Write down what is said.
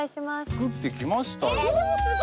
作ってきましたよ。